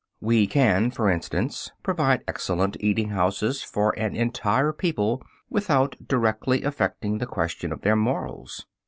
We can, for instance, provide excellent eating houses for an entire people without directly affecting the question of their morals.